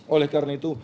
oleh karena itu